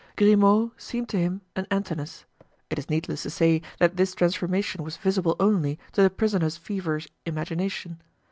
Grimaud seemed to him an Antinous. It is needless to say that this transformation was visible only to the prisoner's feverish imagination.